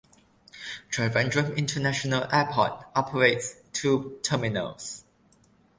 Trivandrum International Airport operates two terminals.